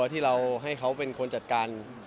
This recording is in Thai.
ที่เราให้เขาเป็นคนจัดการ